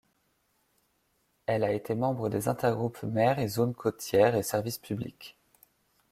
Elle a été membre des intergroupes Mer et zones côtières et Services publics.